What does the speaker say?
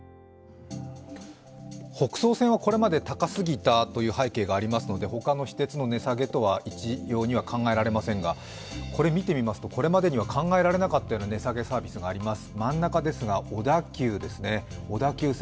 北総線はこれまで高すぎたという背景がありますので他の私鉄の値下げとは一様には考えられませんが、これ、てみますと、これまでには考えられなかったような値下げサービスがあります。